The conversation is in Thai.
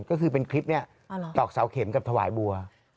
ก็คือเป็นคลิปนี้ตอกเสาเข็มกับถวายบัว